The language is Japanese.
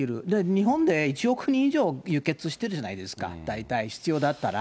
日本で１億人以上輸血してるじゃないですか、大体、必要だったら。